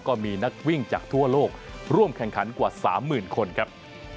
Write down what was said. ก็มีนักวิ่งจากทั่วโลกร่วมแข่งขันกว่า๓๐๐๐คนครับ